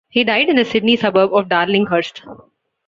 He died in the Sydney suburb of Darlinghurst.